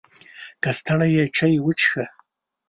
که ستړی یې، چای وڅښه!